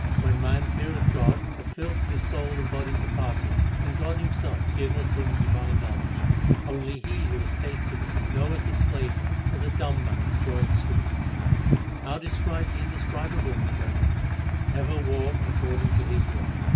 When man feareth God, the filth of his soul and body departeth, and God Himself giveth him divine knowledge: Only he who hath tasted it, knoweth its flavour, as a dumb man enjoyeth sweets. 1 How describe the Indescribable, my brethren ? Ever walk according to His will.